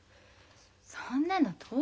そんなの当然よ。